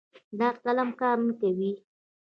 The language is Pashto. دا قلم کار نه کوي